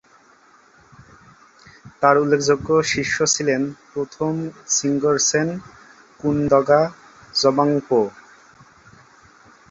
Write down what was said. তার উল্লেখযোগ্য শিষ্য ছিলেন প্রথম ঙ্গোর-ছেন কুন-দ্গা'-ব্জাং-পো।